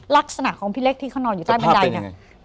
ลักษณะของพี่เล็กที่เขานอนอยู่ใต้บันไดเนี่ย